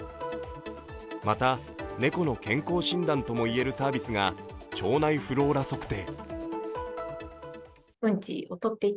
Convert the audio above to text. また猫の健康診断ともいえるサービスが腸内フローラ測定。